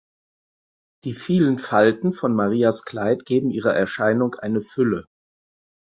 Die vielen Falten von Marias Kleid geben ihrer Erscheinung eine Fülle.